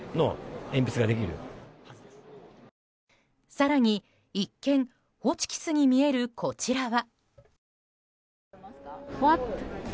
更に一見、ホチキスに見えるこちらは。